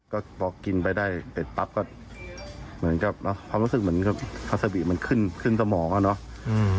ก็พอกินไปได้เสร็จปั๊บก็เหมือนกับความรู้สึกเหมือนกับพัสบิมันขึ้นขึ้นสมองอ่ะเนาะ